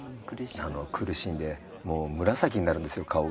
苦しんでもう紫になるんですよ顔が。